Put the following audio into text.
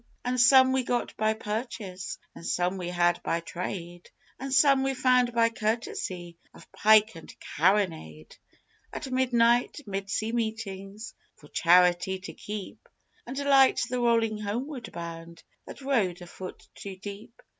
And some we got by purchase, And some we had by trade, And some we found by courtesy Of pike and carronade, At midnight, 'mid sea meetings, For charity to keep, And light the rolling homeward bound That rode a foot too deep.